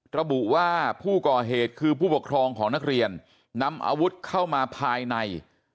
ระบุว่าผู้ก่อเหตุคือผู้ปกครองของนักเรียนนำอาวุธเข้ามาภายใน